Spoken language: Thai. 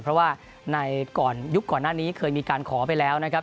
เพราะว่าในก่อนยุคก่อนหน้านี้เคยมีการขอไปแล้วนะครับ